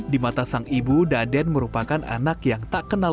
di mata sang ibu daden merupakan anak yang tak kenal